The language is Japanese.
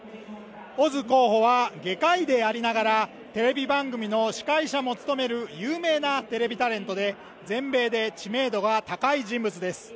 オズ候補は外科医でありながらテレビ番組の司会者も務める有名なテレビタレントで全米で知名度が高い人物です